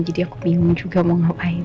jadi aku bingung juga mau ngapain